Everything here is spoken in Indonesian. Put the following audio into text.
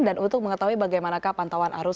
dan untuk mengetahui bagaimanakah pantauan arus